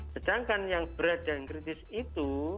sedangkan yang berat dan kritis itu